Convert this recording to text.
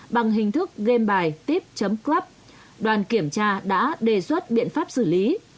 bằng hình thức gamebài tip club đoàn kiểm tra đã đề xuất biện pháp xử lý